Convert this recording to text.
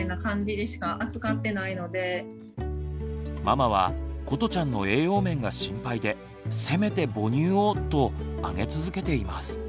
ママはことちゃんの栄養面が心配でせめて母乳をとあげ続けています。